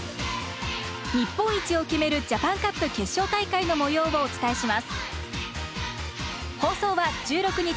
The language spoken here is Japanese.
日本一を決めるジャパンカップ決勝大会のもようをお伝えします。